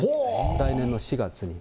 来年の４月に。